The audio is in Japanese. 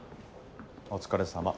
お疲れさま。